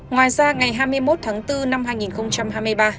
ngoài ra ngày hai mươi một tháng bốn năm hai nghìn hai mươi ba